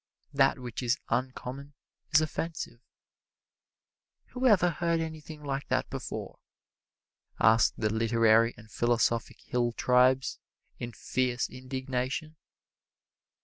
That which is uncommon is offensive. "Who ever heard anything like that before?" ask the literary and philosophic hill tribes in fierce indignation.